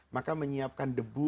maka menyiapkan debu